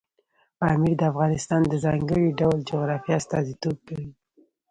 پامیر د افغانستان د ځانګړي ډول جغرافیه استازیتوب کوي.